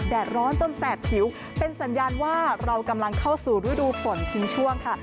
ร้อนจนแสบผิวเป็นสัญญาณว่าเรากำลังเข้าสู่ฤดูฝนทิ้งช่วงค่ะ